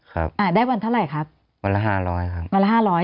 อ่าได้วันเท่าไหร่ครับวันละห้าร้อยครับวันละห้าร้อย